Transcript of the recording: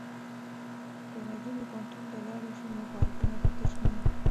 که نجونې پوهنتون ته لاړې شي نو پارکونه به تش نه وي.